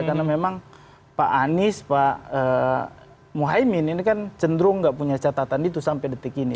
karena memang pak anies pak mohaimin ini kan cenderung nggak punya catatan itu sampai detik ini